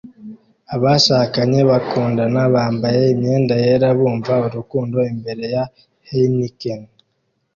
Abashakanye bakundana bambaye imyenda yera bumva urukundo imbere ya Heineken